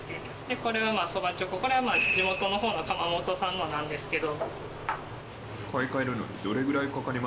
これはそばちょここれは地元のほうの窯元さんのなんですけど。